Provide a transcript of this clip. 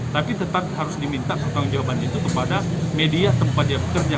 tapi tetap harus diminta pertanggung jawaban itu kepada media tempat dia bekerja